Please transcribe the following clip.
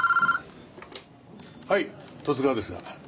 はい十津川ですが。